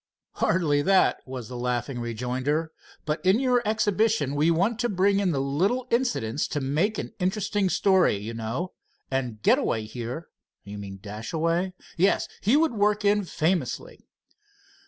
"Hardly that," was the laughing rejoinder, "but in your exhibition we want to bring in the usual little incidents to make an interesting story, you know, and Getaway here——" "You mean Dashaway." "Yes, he could work in famously."